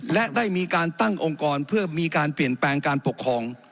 และได้มีการตั้งองค์กรเพื่อมีการเปลี่ยนแปลงการปกครอง